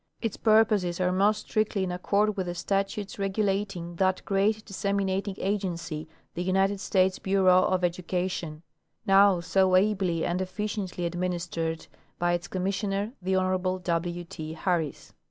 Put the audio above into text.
Its purposes are most strictly in accord with the statutes regulating that great disseminating agency, the United States Bureau of Education, now so ably and efficiently administered by its Commissioner, the Honorable W. T. Harris.